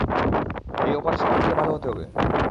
এই অপারেশন সব দিক থেকে ভাল হতে হবে।